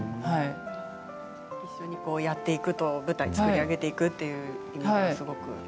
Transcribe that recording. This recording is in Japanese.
一緒にやっていくと舞台を作り上げていくというのがすごく。